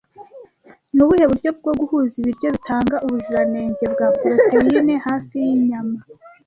Ni ubuhe buryo bwo guhuza ibiryo bitanga ubuziranenge bwa poroteyine hafi y’inyama